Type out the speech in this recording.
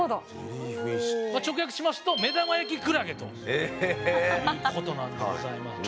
これ直訳しますと目玉焼きクラゲということなんでございます。